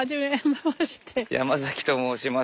山崎と申します。